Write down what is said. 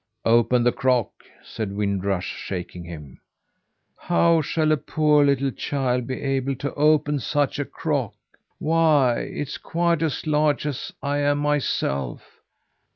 "Open the crock!" said Wind Rush, shaking him. "How shall a poor little child be able to open such a crock? Why, it's quite as large as I am myself."